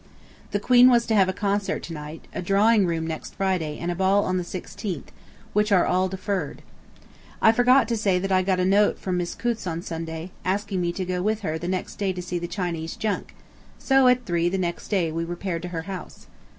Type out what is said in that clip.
The Queen was to have a concert to night, a drawing room next Friday, and a ball on the 16th, which are all deferred. ... I forgot to say that I got a note from Miss Coutts on Sunday, asking me to go with her the next day to see the Chinese junk, so at three the next day we repaired to her house.